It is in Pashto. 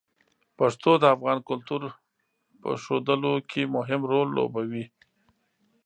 پښتو د افغان کلتور په ښودلو کې مهم رول لوبوي.